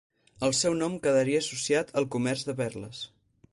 El seu nom quedaria associat al comerç de perles.